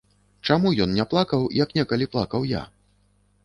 Чаму ён не плакаў, як некалі плакаў я?